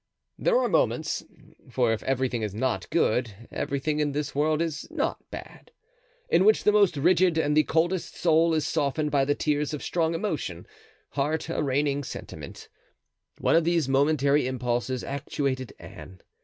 There are moments—for if everything is not good, everything in this world is not bad—in which the most rigid and the coldest soul is softened by the tears of strong emotion, heart arraigning sentiment: one of these momentary impulses actuated Anne.